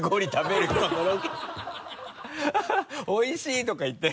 「おいしい」とか言って。